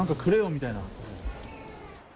みたいな。